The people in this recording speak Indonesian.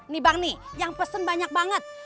nih bang nih yang pesen banyak banget